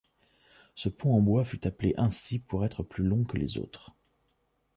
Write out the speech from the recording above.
Ce pont en bois fut appelé ainsi pour être plus long que les autres.